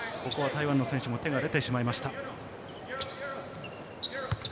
台湾の選手も手が出てしまいました。